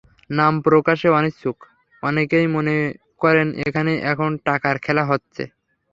নাম প্রকাশে অনিচ্ছুক অনেকেই মনে করেন, এখানে এখন টাকার খেলা হচ্ছে।